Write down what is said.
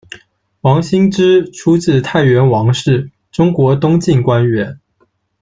王欣之，出自太原王氏，中国东晋官员。